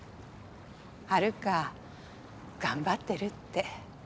ハルカ頑張ってるって。